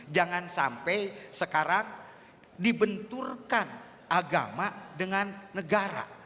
jangan sampai sekarang dibenturkan agama dengan negara